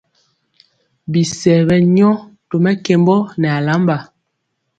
Bisɛ ɓɛ nyɔ to mɛkembɔ nɛ alamba.